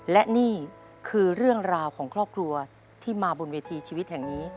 และนี่คือเรื่องราวของครอบครัวที่มาบนเวทีชีวิตแห่งนี้